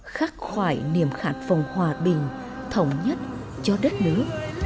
khắc khoải niềm khẳng phòng hòa bình thống nhất cho đất nước